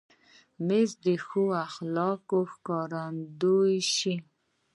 مېز د ښو اخلاقو ښکارندوی شي.